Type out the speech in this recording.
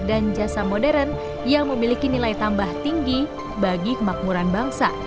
dan jasa modern yang memiliki nilai tambah tinggi bagi kemakmuran bangsa